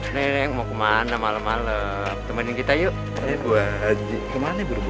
kalian bakalan saya laporin ke polisi